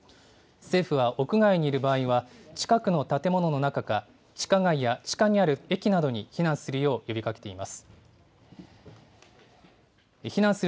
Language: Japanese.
政府は屋外にいる場合は、近くの建物の中か、地下街や地下にある駅などに避難するよう呼びかけています。